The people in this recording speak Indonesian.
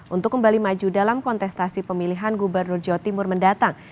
untuk kembali maju dalam kontestasi pemilihan gubernur jawa timur mendatang